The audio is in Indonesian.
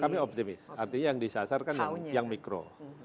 kami optimis artinya yang disasarkan yang mikro